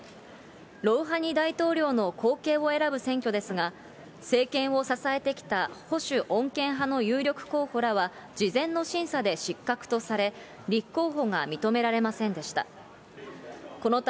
ロウハニ大統領の後継を選ぶ選挙ですが、政権を支えてきた保守穏健派の有力候補らは、事前の審査で失格とされ、立候補が認められませんでした。